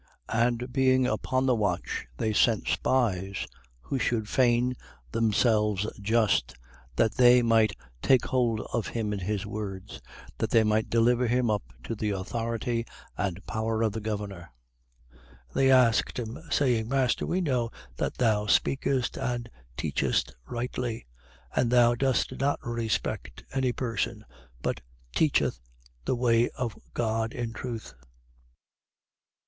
20:20. And being upon the watch, they sent spies, who should feign themselves just, that they might take hold of him in his words, that they might deliver him up to the authority and power of the governor. 20:21. And they asked him, saying: Master, we know that thou speakest and teachest rightly: and thou dost not respect any person, but teachest the way of God in truth.